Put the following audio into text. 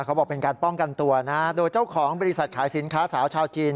เขาบอกเป็นการป้องกันตัวนะโดยเจ้าของบริษัทขายสินค้าสาวชาวจีน